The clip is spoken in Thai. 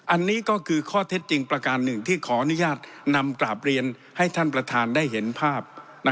อันนี้ก็คือข้อเท็จจริงประการหนึ่งที่ขออนุญาตนำกราบเรียนให้ท่านประธานได้เห็นภาพ